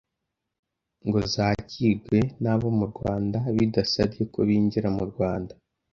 ngo zakirwe n’abo mu Rwanda bidasabye ko binjira mu Rwanda.